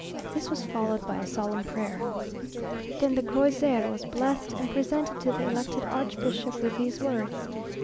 This was followed by a solemn prayer. Then the crosier was blessed, and presented to the elected archbishop with these words.